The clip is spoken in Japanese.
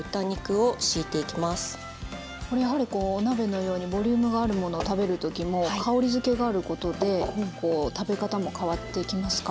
これやはりこうお鍋のようにボリュームがあるものを食べる時も香りづけがあることで食べ方も変わってきますか？